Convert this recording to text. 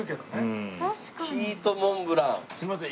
すみません